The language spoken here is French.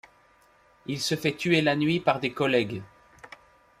Il se fait tuer la nuit par des collègues.